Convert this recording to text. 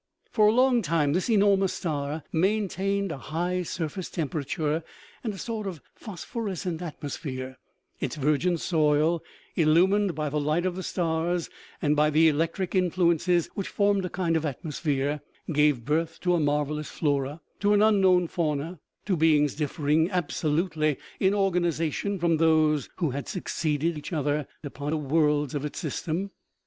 For a long time this enormous star maintained a high surface temperature, and a sort of phosphorescent atmos phere ; its virgin soil, illumined by the light of the stars and by the electric influences which formed a kind of at mosphere, gave birth to a marvelous flora, to an unknown fauna, to beings differing absolutely in organization from those who had succeeded each other upon the worlds of its system. OMEGA.